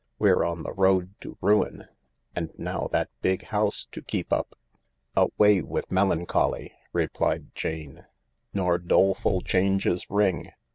We're on the road to ruin— and now that big house to keep up." "Away with melancholy," replied Jane, "nor doleful changes ring!